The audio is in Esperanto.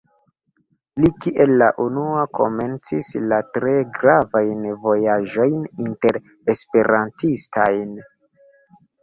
Li kiel la unua komencis la tre gravajn vojaĝojn inter-Esperantistajn.